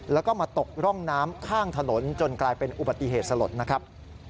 แล้วก็มาตกร่องน้ำข้างถนนจนกลายเป็นอุบัติเหตุสลดนะครับ